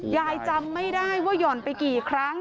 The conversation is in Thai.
จำไม่ได้ว่าหย่อนไปกี่ครั้ง